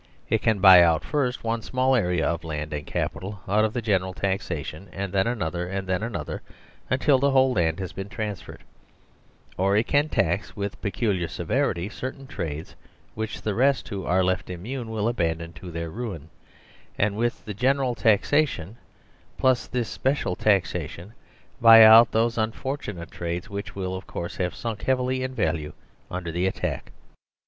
It can buy out first one small area of land and capital out of the general taxation and then another, and then another, until the whole has been transferred ; or it can tax with peculiar severity certain trades which the rest who are left immune will abandon to their ruin, and with the general taxation plus this special taxation buy out those unfortunate trades which will, of course, have sunk heavily in value under the attack.